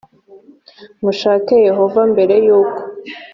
mushake yehova mbere y’uko